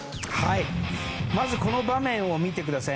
まずこの場面を見てください。